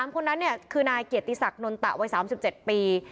คนนั้นคือนายเกียรติศักดินนตะวัย๓๗ปี